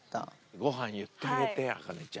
ごはん言ってあげて、茜ちゃん。